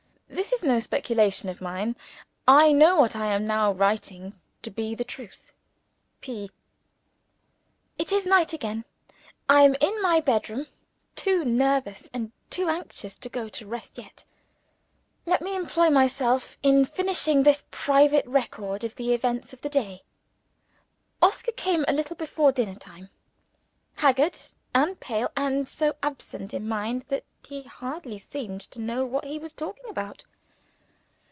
This is no speculation of mine. I know what I am now writing to be the truth. P.] It is night again. I am in my bed room too nervous and too anxious to go to rest yet. Let me employ myself in finishing this private record of the events of the day. Oscar came a little before dinner time; haggard and pale, and so absent in mind that he hardly seemed to know what he was talking about.